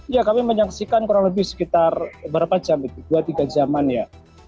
ya kami menyaksikan kurang lebih sekitar berapa jam itu dua tiga jaman ya